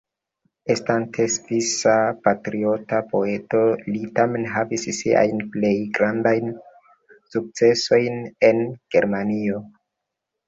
Estante svisa patriota poeto, li tamen havis siajn plej grandajn sukcesojn en Germanio.